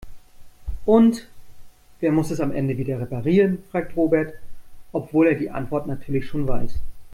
Und wer muss es am Ende wieder reparieren?, fragt Robert, obwohl er die Antwort natürlich schon weiß.